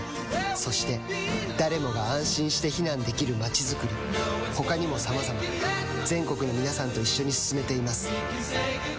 そして誰もが安心して避難できる街づくり他にもさまざま全国の皆さんと一緒に進めています